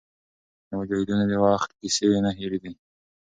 د مجاهدینو د وخت کیسې یې نه هېرېدې.